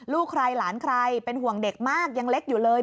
ลูกใครหลานใครเป็นห่วงเด็กมากยังเล็กอยู่เลย